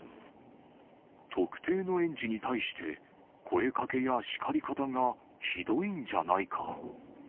特定の園児に対して、声かけや叱り方がひどいんじゃないか。